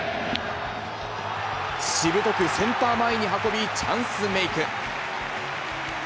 しぶとくセンター前に運び、チャンスメーク。